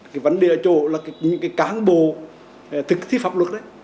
cái vấn đề ở chỗ là những cái cán bộ thực thi pháp luật đấy